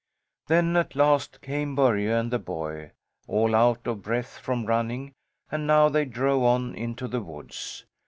Then at last came Börje and the boy, all out of breath from running, and now they drove on into the woods.